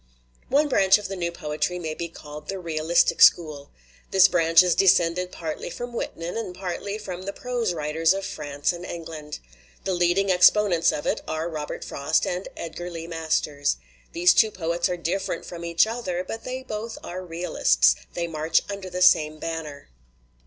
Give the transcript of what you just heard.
"One branch of the new poetry may be called the realistic school. This branch is descended partly from Whitman and partly from the prose writers of France and England. The leading ex ponents of it are Robert Frost and Edgar Lee Masters. These two poets are different from each other, but they both are realists, they march under the same banner.